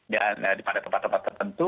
dan di tempat tempat tertentu